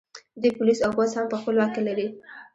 دوی پولیس او پوځ هم په خپل واک کې لري